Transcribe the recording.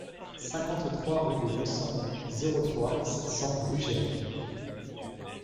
cinquante-trois rue des Maussangs, zéro trois, sept cents Brugheas